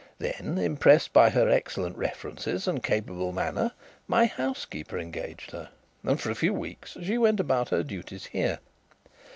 Then, impressed by her excellent references and capable manner, my housekeeper engaged her, and for a few weeks she went about her duties here.